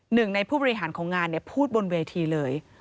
หนึ่งในผู้บริหารของงานพูดบนเวทีเลย